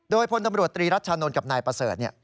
โดยพลตำรวจตรีรัชชานนท์กับนายประเสริฐ